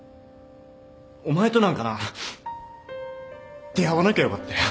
お前となんかな出会わなきゃよかったよ